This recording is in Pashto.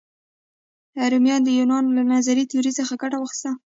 رومیانو د یونانیانو له نظري تیوري څخه ګټه واخیسته.